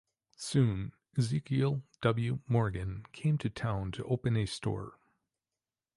Soon Ezekiel W. Morgan came to town to open a store.